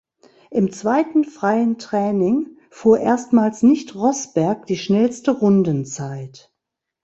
Im zweiten freien Training fuhr erstmals nicht Rosberg die schnellste Rundenzeit.